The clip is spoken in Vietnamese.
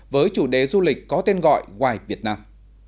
với chủ đề du lịch có tên gọi why việt nam